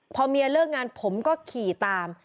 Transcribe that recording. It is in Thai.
พอเมียเลิกงานผมก็ขี่ตาม